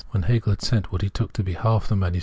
When Hegel had sent what he took to be half the MS.